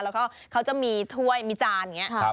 แล้วก็เขาจะมีถ้วยมีจานอย่างนี้